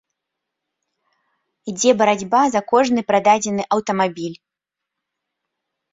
Ідзе барацьба за кожны прададзены аўтамабіль.